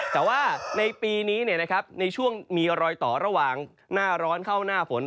แต่ว่าในปีนี้ในช่วงมีรอยต่อระหว่างหน้าร้อนเข้าหน้าฝน